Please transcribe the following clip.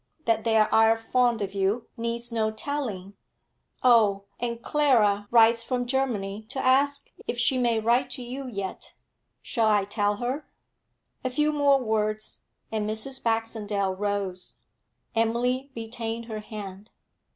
'That they ire fond of you, needs no telling. Oh, and Clara writes from Germany to ask if she may write to you yet. Shall I let her?' A few more words, and Mrs. Baxendale rose. Emily retained her hand.